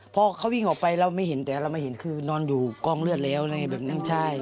พอเขาวิ่งออกไปเราไม่เห็นแต่เราไม่เห็นคือนอนอยู่กองเลือดแล้วอะไรแบบนั้นใช่